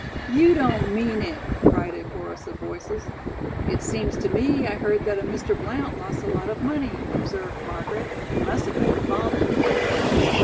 "You don't mean it!" cried a chorus of voices. "It seems to me I heard that a Mr. Blount lost a lot of money," observed Margaret. "It must have been her father."